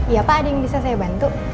ya pak ada yang bisa saya bantu